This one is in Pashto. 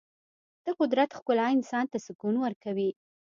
د قدرت ښکلا انسان ته سکون ورکوي.